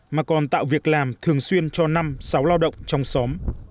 mà còn tạo việc làm thường xuyên cho năm sáu lao động trong xóm